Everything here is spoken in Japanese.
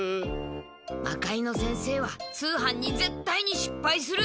魔界之先生は通販にぜったいにしっぱいする！